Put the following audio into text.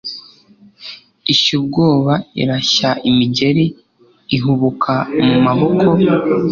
ishya ubwoba irashya imigeri, ihubuka mu maboko